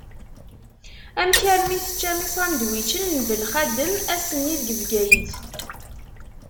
Amek armi teččam isandwičen n Belxadem ass-nni deg Bgayet?